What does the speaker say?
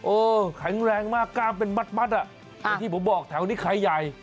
เออแข็งแรงมากกล้ามเป็นมัดนี่ที่ผมบอกแถวนี้ไข่ใหญ่